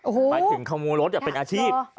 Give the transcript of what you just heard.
ไปถึงขโมรถแต่เป็นอาชีพ